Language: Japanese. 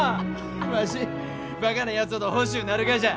わしバカなやつほど欲しゅうなるがじゃ。